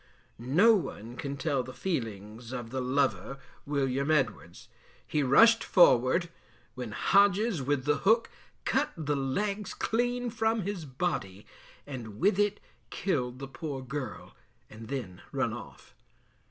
No one can tell the feelings of the lover, William Edwards. He rushed forward, when Hodges, with the hook, cut the legs clean from his body, and with it killed the poor girl, and then run off.